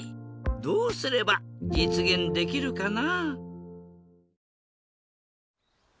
どうすればじつげんできるかな？